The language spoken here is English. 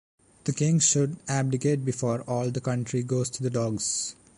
The King should abdicate before all the country goes to the dogs.